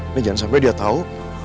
ini jangan sampai dia tahu